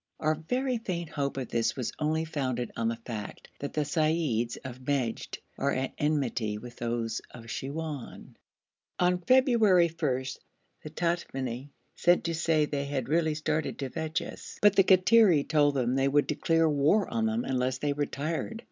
Our very faint hope of this was only founded on the fact that the seyyids of Meshed are at enmity with those of Siwoun. On February 1, the Tamimi sent to say they had really started to fetch us, but the Kattiri told them they would declare war on them unless they retired.